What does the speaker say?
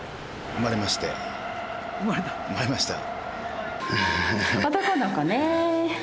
生まれました。